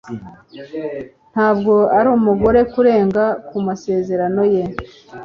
Ntabwo ari umugore kurenga ku masezerano ye.